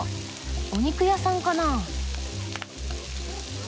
お肉屋さんかな？